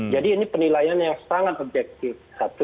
jadi ini penilaian yang sangat objektif